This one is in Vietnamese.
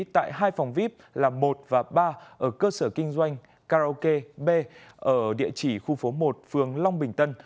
tại hai phòng vip là một và ba ở cơ sở kinh doanh karaoke b ở địa chỉ khu phố một phường long bình tân